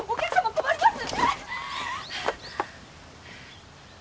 困ります！